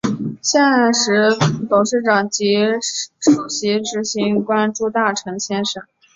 现时董事长及首席执行官朱大成先生。